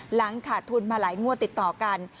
หลังขาดทุนมาหลายงวดติดต่อกัน